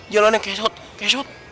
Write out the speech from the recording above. jalannya kesot kesot